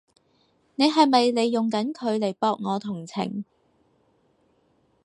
你係咪利用緊佢嚟博我同情？